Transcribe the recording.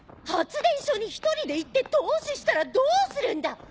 「発電所に一人で行って凍死したらどうするんだ！」